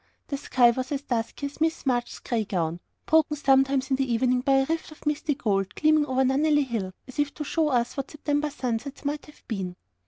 The sky was as dusky as Miss March's grey gown; broken sometimes in the evening by a rift of misty gold, gleaming over Nunnely Hill, as if to show us what September sunsets might have been.